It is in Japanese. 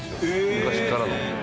昔からの。